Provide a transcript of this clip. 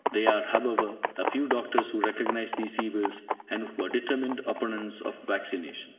There are, however, a few doctors who recognise these evils, and who are determined opponents of vaccination.